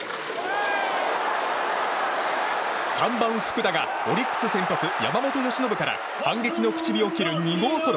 ３番、福田がオリックス先発、山本由伸から反撃の口火を切る２号ソロ。